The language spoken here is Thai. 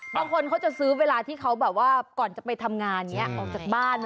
บางคนเขาจะซื้อเวลาที่เขาก่อนจะไปทำงาน